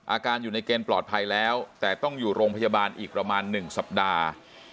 อาการอยู่ในเกณฑ์ปลอดภัยแล้วแต่ต้องอยู่โรงพยาบาลอีกประมาณ๑สัปดาห์